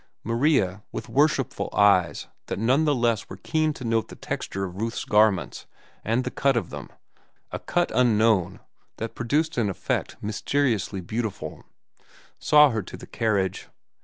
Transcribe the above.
Maria, with worshipful eyes that none the less were keen to note the texture of Ruth's garments and the cut of them (a cut unknown that produced an effect mysteriously beautiful), saw her to the carriage.